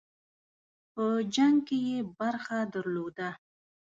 په جنګ کې یې برخه درلوده.